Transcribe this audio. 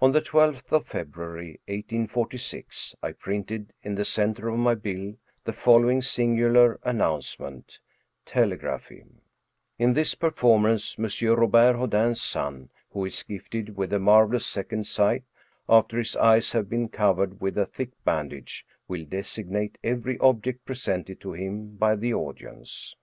On the 12th of February, 1846, I printed in the center of my bill the following singular announcement: »•• Telegraphy." 209 True Stories of Modern Magic *^In this performance M. Robert Houdin's son, who is gifted with a marvelous second sight, after his eyes have been covered with a thick bandage, will designate every ob ject presented to him by the audience."